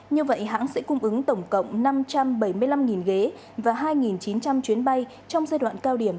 như vậy hãng sẽ cung ứng tổng cộng năm trăm bảy mươi năm ghế và hai chín trăm linh chuyến bay trong giai đoạn cao điểm